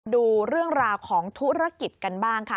ดูเรื่องราวของธุรกิจกันบ้างค่ะ